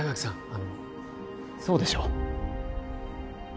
あのそうでしょ？